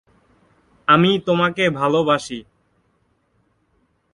স্নাতকোত্তর পর, তিনি একটি কর্মশালার উদ্বোধন করেন এবং সেখানে থেকে তার কর্মজীবন শুরু করেন।